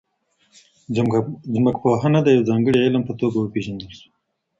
ځمکپوهنه د یو ځانګړي علم په توګه وپیژندل سوه.